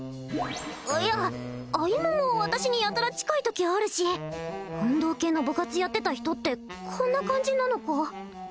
いや歩も私にやたら近いときあるし運動系の部活やってた人ってこんな感じなのか？